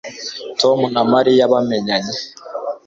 tom na mariya bamenyanye